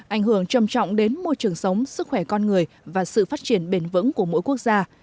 ảnh hưởng trầm trọng đến môi trường sống sức khỏe con người và sự phát triển bền vững của mỗi quốc gia